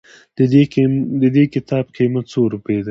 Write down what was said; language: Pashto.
ددي کتاب قيمت څو روپئ ده